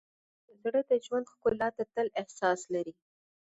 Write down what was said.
زړه د ژوند ښکلا ته تل احساس لري.